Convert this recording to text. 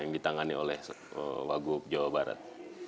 yang ditangani oleh wagub jawa barat